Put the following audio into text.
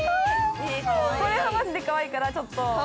これはマジでかわいいから、ちょっと。